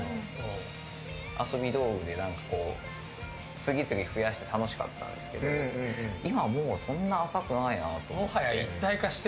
遊び道具で次々増やして楽しかったんですけど今はもうそんな浅くないなと思って。